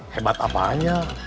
hebat apaan ya